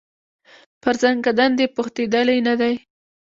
پر زکندن دي پوښتېدلی نه دی